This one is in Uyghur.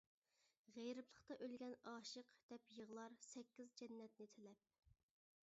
‹ ‹غېرىبلىقتا ئۆلگەن ئاشىق› › دەپ يىغلار سەككىز جەننەتنى تىلەپ.